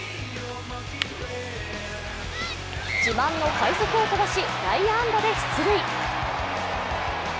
自慢の快足を飛ばし内野安打で出塁。